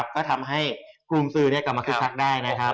ก็ทำให้กรุงซื้อกลับมาคึกคักได้นะครับ